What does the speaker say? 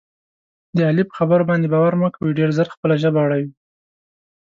د علي په خبرو باندې باور مه کوئ. ډېر زر خپله ژبه اړوي.